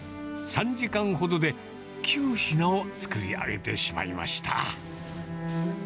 ３時間ほどで、９品を作り上げてしまいました。